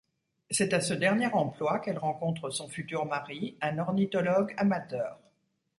C'est à ce dernier emploi qu'elle rencontre son futur mari, un ornithologue amateur.